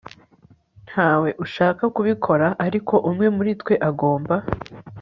Ntawe ushaka kubikora ariko umwe muri twe agomba